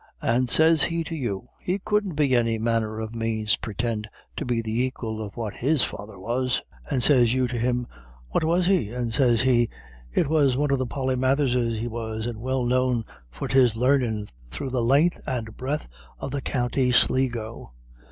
And sez he to you, he couldn't be any manner of manes purtind to be the aquil to what his father was. And sez you to him, what was he? And sez he, it was one of the Polymatherses he was, and well known for his larnin' through the len'th and breadth of the county Sligo.